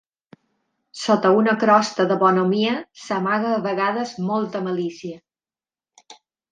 Sota una crosta de bonhomia s'amaga a vegades molta malícia.